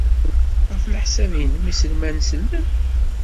Ɣef leḥsab-nnem, iselman sellen?